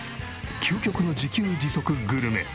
究極の自給自足グルメ。